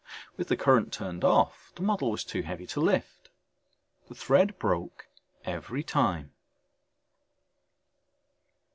With the current turned off the model was too heavy to lift. The thread broke every time.